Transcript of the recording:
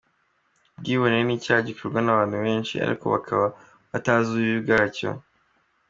Ubwibone ni icyaha gikorwa n’abantu benshi ariko bakaba batazi ububi bwacyo.